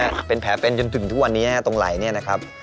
คืนประบาทเป็นแผลเป็นจนถึงทุกวันนี้ตรงไหล่นี่นะครับ